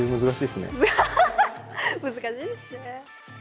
難しいですね。